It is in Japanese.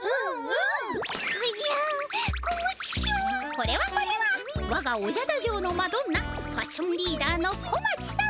これはこれはわがおじゃダ城のマドンナファッションリーダーの小町様！